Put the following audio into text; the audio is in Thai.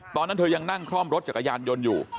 ตอนนั้นเธอยังนั่งคล่อมรถจักรยานยนต์อยู่